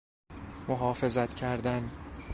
محافظت کردن